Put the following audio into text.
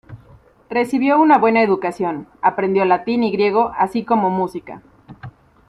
Recibió una buena educación, aprendió latín y griego, así como música.